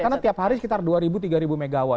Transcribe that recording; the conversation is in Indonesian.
karena tiap hari sekitar dua ribu tiga ribu mw